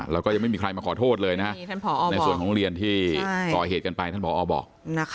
แล้วก็ยังไม่มีใครมาขอโทษเลยนะในส่วนของโรงเรียนที่ก่อเหตุกันไปท่านผอบอก